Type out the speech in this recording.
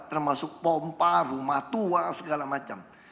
termasuk pompa rumah tua segala macam